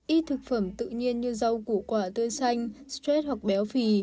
ít thực phẩm tự nhiên như rau củ quả tươi xanh stress hoặc béo phì